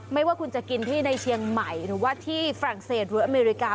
ไม่ว่าคุณจะกินที่ในเชียงใหม่หรือว่าที่ฝรั่งเศสหรืออเมริกา